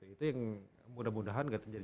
itu yang mudah mudahan gak terjadi